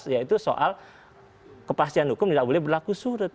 yaitu soal kepastian hukum tidak boleh berlaku surut